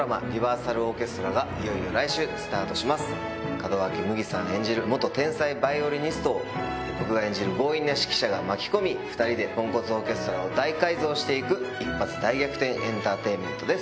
門脇麦さん演じる天才ヴァイオリニストを僕が演じる強引な指揮者が巻き込み２人でポンコツオーケストラを大改造して行く一発大逆転エンターテインメントです。